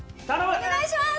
お願いします